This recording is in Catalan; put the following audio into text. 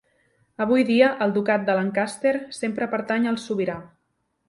Avui dia el ducat de Lancaster sempre pertany al sobirà.